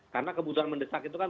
karena kebutuhan mendesak itu kan